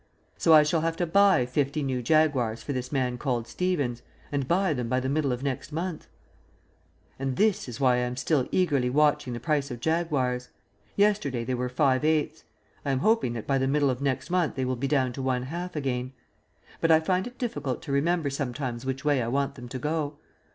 So I shall have to buy fifty new Jaguars for this man called Stevens and buy them by the middle of next month. And this is why I am still eagerly watching the price of Jaguars. Yesterday they were 5/8. I am hoping that by the middle of next month they will be down to 1/2 again. But I find it difficult to remember sometimes which way I want them to go.